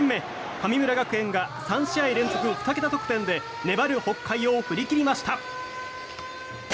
神村学園が３試合連続２桁得点で粘る北海を振り切りました。